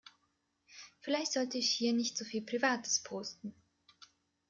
Vielleicht sollte ich hier nicht so viel Privates posten.